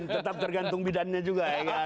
tetap tergantung bidannya juga